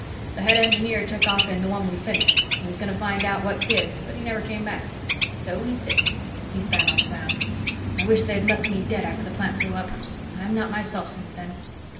The head engineer took off in the one we finished. He was going to find out what gives, but he never came back. So we sit." He spat on the ground. "I wish they'd left me dead after the plant blew up. I'm not myself since then."